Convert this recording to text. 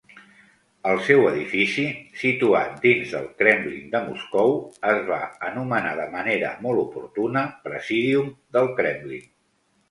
El seu edifici, situat dins del Kremlin de Moscou, es va anomenar de manera molt oportuna Presídium del Kremlin.